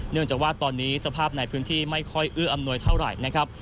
เนื่องจากว่าตอนนี้สภาพในพื้นที่ไม่ค่อยอื้ออำนวยเท่าไหร่นะครับ